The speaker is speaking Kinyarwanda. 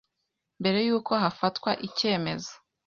mbere yuko hafatwa icyemezo